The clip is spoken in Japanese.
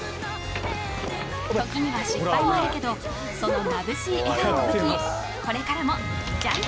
時には失敗もあるけどそのまぶしい笑顔を武器にこれからもジャンプ！